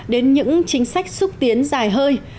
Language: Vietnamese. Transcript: đến những chính sách xúc tiến giải hơi